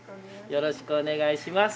よろしくお願いします。